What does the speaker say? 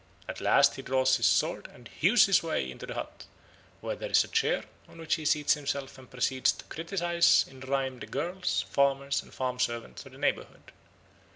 At last he draws his sword and hews his way into the hut, where there is a chair, on which he seats himself and proceeds to criticise in rhyme the girls, farmers, and farm servants of the neighbourhood.